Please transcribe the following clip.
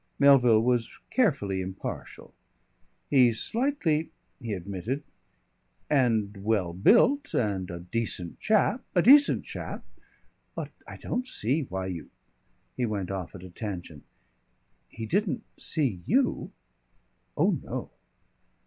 Melville was carefully impartial. "He's sightly," he admitted, "and well built and a decent chap a decent chap. But I don't see why you " He went off at a tangent. "He didn't see you ?" "Oh, no."